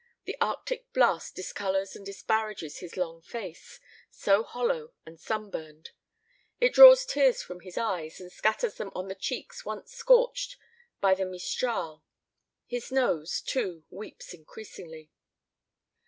The arctic blast discolors and disparages his long face, so hollow and sunburned; it draws tears from his eyes, and scatters them on the cheeks once scorched by the mistral; his nose, too, weeps increasingly.